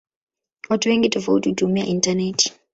Watu wengi tofauti hutumia intaneti.